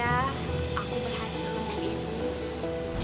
aku berhasil ibu